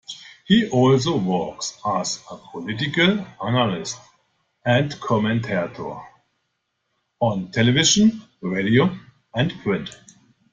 He also works as a political analyst and commentator on television, radio and print.